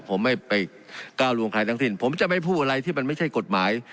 ผมไม่ไปก้าวลวงใครทั้งสิ้นผมจะไม่พูดอะไรที่มันไม่ใช่กฎหมาย